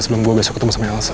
sebelum gue besok ketemu sama elsa